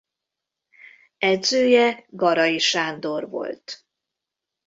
Edzője Garay Sándor volt.